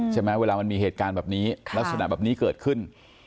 เวลามันมีเหตุการณ์แบบนี้ลักษณะแบบนี้เกิดขึ้น